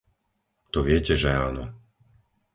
To viete, že áno!